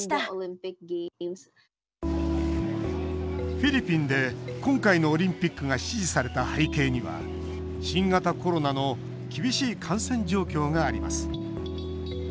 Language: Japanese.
フィリピンで今回のオリンピックが支持された背景には、新型コロナの厳しい感染状況があります。